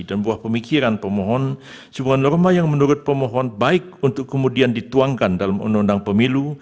dan buah pemikiran pemohon sebuah norma yang menurut pemohon baik untuk kemudian dituangkan dalam undang undang pemilu